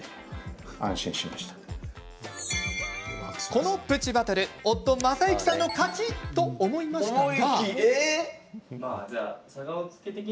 このプチバトル夫、昌之さんの勝ちと思いましたが。